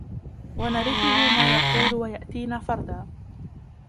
ونرثه ما يقول ويأتينا فردا